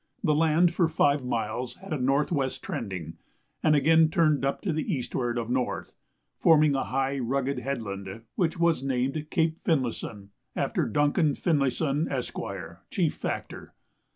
The land for five miles had a N.W. trending, and again turned up to the eastward of N., forming a high rugged headland, which was named Cape Finlayson, after Duncan Finlayson, Esq., Chief Factor.